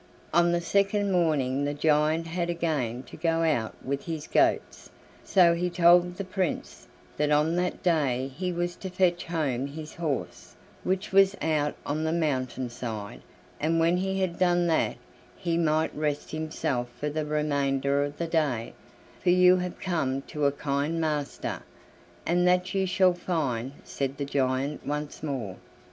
On the second morning the giant had again to go out with his goats, so he told the Prince that on that day he was to fetch home his horse, which was out on the mountain side, and when he had done that he might rest himself for the remainder of the day, "for you have come to a kind master, and that you shall find," said the giant once more.